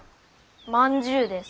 まんじゅうです。